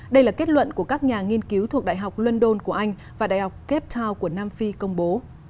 đây là kết luận của các nhà nghiên cứu thuộc đại học london của anh và đại học cape town của nam phi công bố